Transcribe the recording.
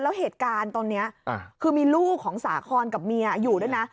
แล้วเหตุการณ์ตอนนี้คือมีลูกของสาคอนกับเมียอยู่ด้วยนะ